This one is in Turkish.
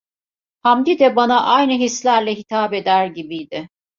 Hamdi de bana aynı hislerle hitap eder gibiydi.